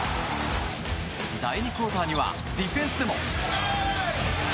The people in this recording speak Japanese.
第２クオーターにはディフェンスでも。